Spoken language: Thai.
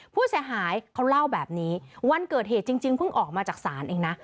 ผู้เสียหายเขาเล่าแบบนี้วันเกิดเหตุจริงเพิ่งออกมาจากศาลเองนะ